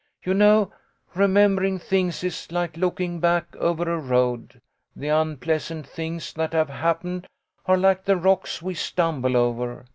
You know, remembering things is like looking back over a road. The unpleasant things that have hap pened are like the rocks we stumble over.